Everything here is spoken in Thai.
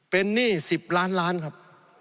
เป็นหนี้๑๐ล้านล้านครับ